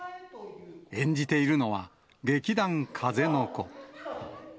演じているのは、劇団風の子。